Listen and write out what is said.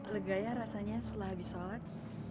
legayah rasanya setelah habis sholat